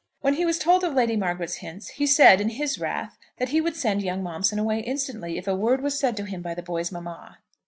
When he was told of Lady Margaret's hints, he said in his wrath that he would send young Momson away instantly if a word was said to him by the boy's mamma.